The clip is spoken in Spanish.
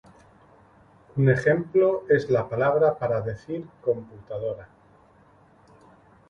Un ejemplo es la palabra para decir "computadora".